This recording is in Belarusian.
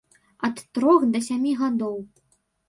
Ад трох да сямі гадоў.